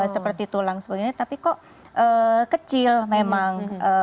seperti tulang sebagainya tapi kok kecil memang